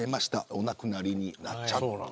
お亡くなりになっちゃって。